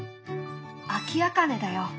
アキアカネだよ。